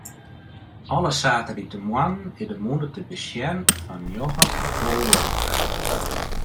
Alle saterdeitemoarnen is de mûne te besjen fan njoggen oant tolve oere.